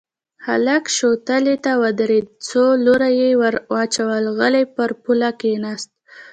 هلک شوتلې ته ودرېد، څو لوره يې ور واچول، غلی پر پوله کېناست.